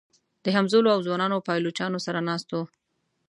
د همزولو او ځوانو پایلوچانو سره ناست و.